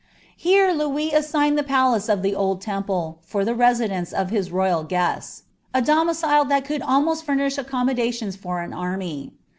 Here Louis assigned the palace of the Old Tem|^, lor ifa* W df^nce of his royal guests ; a domicile thai could almoat furnish aeraO* I moilations for an army.